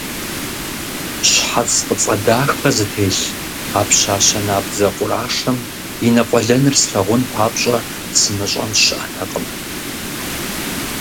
Щхьэц фӀыцӀэ дахэ зытелъ а пщащэ набдзэ къурашэм и нэкъуэлэныр слъагъун папщӀэ сымыщӀэн щыӀэтэкъым.